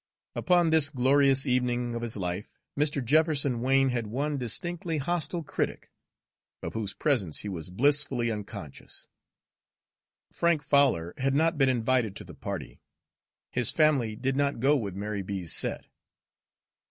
Upon this glorious evening of his life, Mr. Jefferson Wain had one distinctly hostile critic, of whose presence he was blissfully unconscious. Frank Fowler had not been invited to the party, his family did not go with Mary B.'s set.